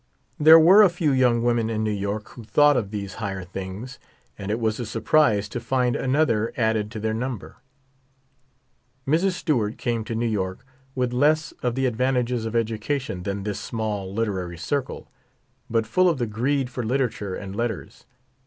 There were a few young women in New York who thought of tliese higher things, and it was a surprise to find another added to their number. Mrs. Stewart came to New York with less of the ad vantages of education than this small literary circle, but full of the greed for Ifterature and letters.